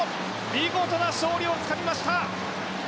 見事な勝利をつかみました。